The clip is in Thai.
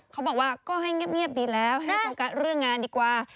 เขาบอกว่าก็ให้เงียบดีแล้วให้โฟกัสเรื่องงานดีกว่า